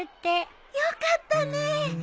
よかったね。